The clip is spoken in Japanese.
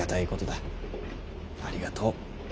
ありがとう。